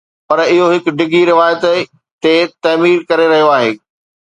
پر اهو هڪ ڊگهي روايت تي تعمير ڪري رهيو آهي